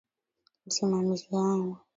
Msimamizi wangu.